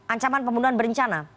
ancaman pembunuhan berencana